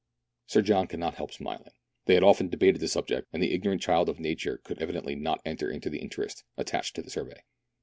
Sir John could not help smiling. They had often debated the subject, and the ignorant child ofnature could evidently not enter into the interest attached to the survey.